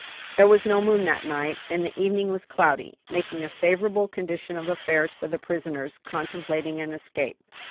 There was no moon that night, and the evening was cloudy, making a favorable condition of affairs for the prisoners contemplating an escape.